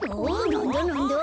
なんだなんだ？